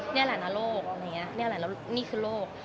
นี่แหละนะโรคนี่คือโรค